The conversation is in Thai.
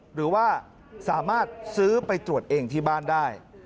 หรือว่าสามารถซื้อไปตรวจเองที่บ้านได้